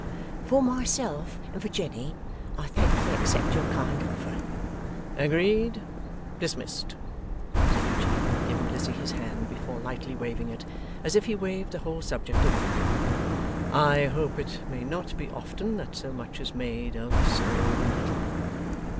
'For myself and for Jenny, I thankfully accept your kind offer.' 'Agreed! Dismissed!' said Eugene, giving Lizzie his hand before lightly waving it, as if he waved the whole subject away. 'I hope it may not be often that so much is made of so little!